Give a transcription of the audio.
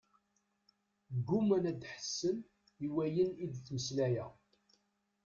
Gguman ad ḥessen i wayen i d-ttmeslayeɣ.